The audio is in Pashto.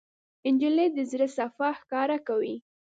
نجلۍ د زړه صفا ښکاره کوي.